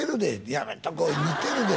「やめとこ」「似てるで」